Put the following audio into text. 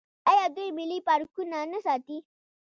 آیا دوی ملي پارکونه نه ساتي؟